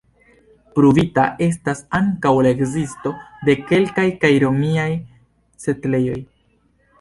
Pruvita estas ankaŭ la ekzisto de keltaj kaj romiaj setlejoj.